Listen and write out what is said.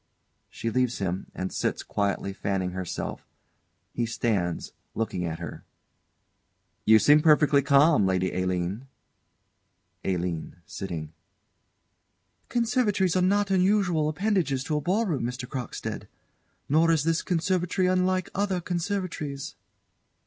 [She leaves him, and sits, quietly fanning herself; he stands, looking at her.] You seem perfectly calm, Lady Aline? ALINE. [Sitting.] Conservatories are not unusual appendages to a ball room, Mr. Crockstead; nor is this conservatory unlike other conservatories.